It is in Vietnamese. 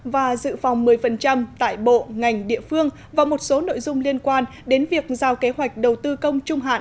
và dự phòng một mươi tại bộ ngành địa phương và một số nội dung liên quan đến việc giao kế hoạch đầu tư công trung hạn